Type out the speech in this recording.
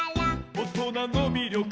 「おとなのみりょく」